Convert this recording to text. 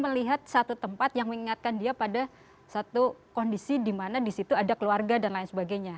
melihat satu tempat yang mengingatkan dia pada satu kondisi di mana di situ ada keluarga dan lain sebagainya